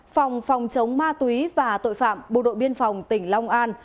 phòng phòng chống ma túy và tội phạm bộ đội biên phòng tỉnh long an